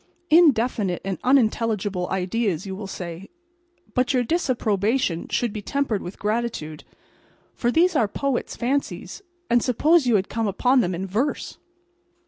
Indefinite and unintelligible ideas, you will say; but your disapprobation should be tempered with gratitude, for these are poets' fancies—and suppose you had come upon them in verse!